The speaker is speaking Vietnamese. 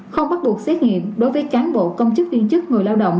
không bắt buộc xét nghiệm đối với cán bộ công chức viên chức người lao động